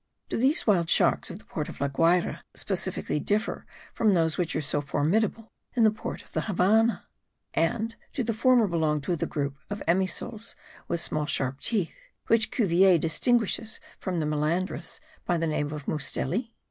Do these wild sharks of the port of La Guayra specifically differ from those which are so formidable in the port of the Havannah? And do the former belong to the group of Emissoles with small sharp teeth, which Cuvier distinguishes from the Melandres, by the name of Musteli?